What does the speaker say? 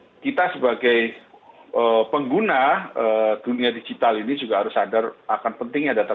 di sisi lain kita sebagai pengguna dunia digital ini harus memiliki kemampuan untuk membangun data data kita